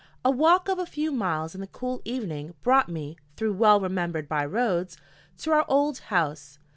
A walk of a few miles in the cool evening brought me, through well remembered by roads, to our old house.